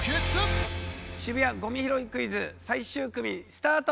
渋谷ゴミ拾いクイズ最終組スタート。